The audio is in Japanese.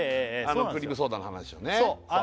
クリームソーダの話をねそう！